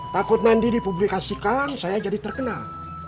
takut nanti dipublikasikan saya jadi terkenal